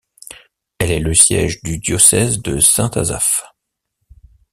Elle est le siège du diocèse de St Asaph.